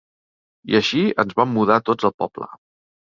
I així ens vam mudar tots al poble.